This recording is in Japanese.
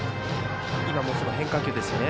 今も変化球ですね。